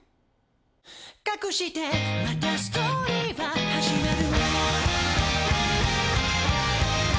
「かくしてまたストーリーは始まる」